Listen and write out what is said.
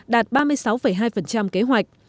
đạt ba mươi sáu hai kế hoạch